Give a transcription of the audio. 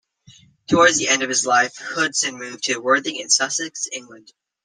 Towards the end of his life, Hudson moved to Worthing in Sussex, England.